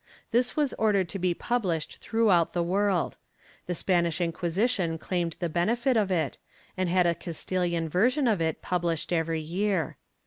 This was ordered to be pubHshed through out the world; the Spanish Inquisition claimed the benefit of it, and had a Castilian version of it published every year.